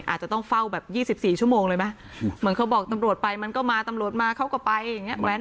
อาจจะต้องเฝ้าแบบ๒๔ชั่วโมงเลยไหมเหมือนเขาบอกตำรวจไปมันก็มาตำรวจมาเขาก็ไปอย่างนี้